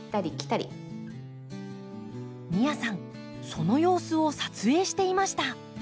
その様子を撮影していました。